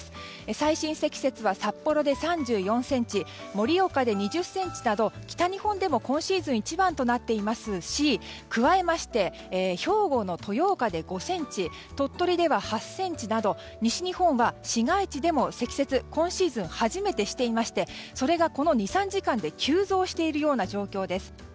最深積雪は札幌で３４ｃｍ盛岡で２０ｃｍなど北日本でも今シーズン一番となっていますし加えまして、兵庫の豊岡で５ｃｍ鳥取では８ｃｍなど、西日本は市街地で今シーズン初めて積雪をしていましてそれがこの２３時間で急増しているような状況です。